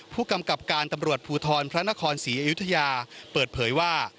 ผู้กำกับการตำรวจภูทรพระนครศรีอยุธยาเปิดเผยว่า